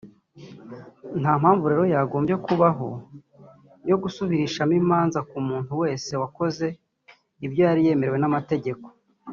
nta mpamvu rero yagombye kubaho yo gusubirishamo imanza ku muntu wese wakoze ibyo yari yemerewe n’amategeko